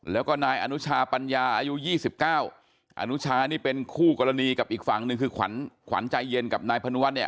แล้วก็นายอนุชาปัญญาอายุ๒๙อนุชานี่เป็นคู่กรณีกับอีกฝั่งหนึ่งคือขวัญใจเย็นกับนายพนุวัฒน์เนี่ย